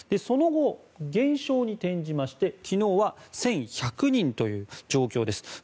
その後、減少に転じまして昨日は１１００人という状況です。